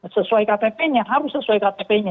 sesuai ktp nya harus sesuai ktp nya